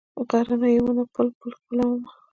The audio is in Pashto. غرنیو ونو پل، پل ښکلومه